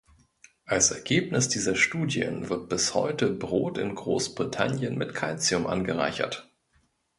Als Ergebnis dieser Studien wird bis heute Brot in Großbritannien mit Kalzium angereichert.